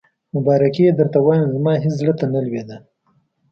مبارکي یې درته وایم، زما هېڅ زړه ته نه لوېده.